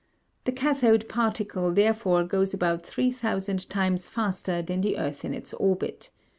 The cathode particle therefore goes about three thousand times faster than the earth in its orbit.